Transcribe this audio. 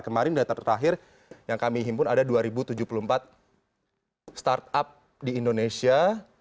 kemarin data terakhir yang kami himpun ada dua tujuh puluh empat startup di indonesia